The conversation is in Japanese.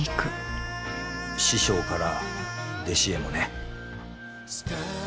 師匠から弟子へもね。